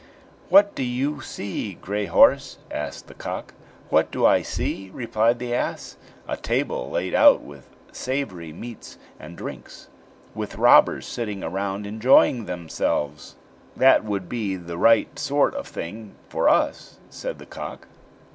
"What do you see, Gray horse?" asked the cock. "What do I see?" replied the ass; "a table laid out with savory meats and drinks, with robbers sitting around enjoying themselves." "That would be the right sort of thing for us," said the cock.